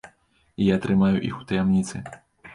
Я трымаю іх у таямніцы.